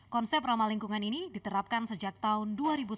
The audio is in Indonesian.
konsep ramah lingkungan ini diterapkan sejak tahun dua ribu sepuluh